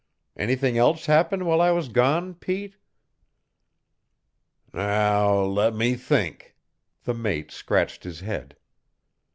Anything else happen while I was gone, Pete?" "Now, let me think!" The mate scratched his head.